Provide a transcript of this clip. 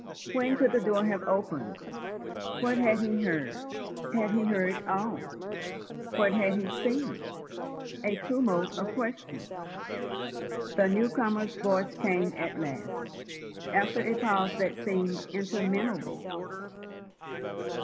When could the door have opened? What had he heard? Had he heard all? What had he seen? A tumult of questions. The new comer's voice came at last, after a pause that seemed interminable.